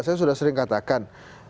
saya sudah sering katakan